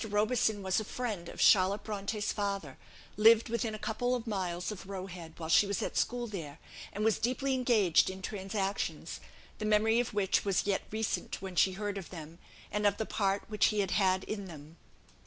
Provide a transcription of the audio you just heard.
Roberson was a friend of Charlotte Bronte's father; lived within a couple of miles of Roe Head while she was at school there; and was deeply engaged in transactions, the memory of which was yet recent when she heard of them, and of the part which he had had in them.